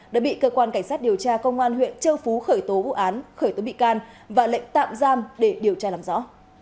đã bị cơ quan cảnh sát điều tra công an huyện châu phú khởi tố vụ án khởi tố bị can và lệnh tạm giam để điều tra làm rõ